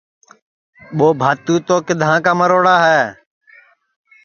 مُرچیا تو کِدھا کا مروڑا ہے